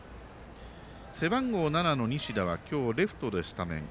背番号７の西田は今日、レフトでスタメン。